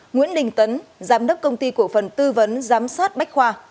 nguyễn đình tấn giám đốc công ty cổ phần tư vấn giám sát bách khoa